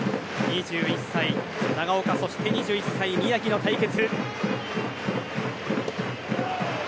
２１歳、長岡２２歳、宮城の対決。